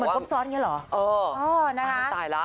เหมือนพบซอสอย่างนี้เหรอตายละ